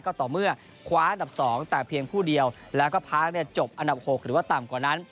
ก็ต่อเมื่อคว้าอันดับ๒แต่เพียงผู้เดียวแล้วก็พาร์คเนี่ยจบอันดับ๖หรือว่าต่ำกว่านั้น